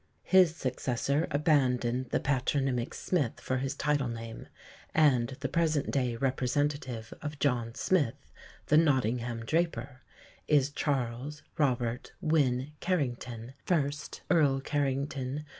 His successor abandoned the patronymic Smith for his title name; and the present day representative of John Smith, the Nottingham draper is Charles Robert Wynn Carrington, first Earl Carrington, P.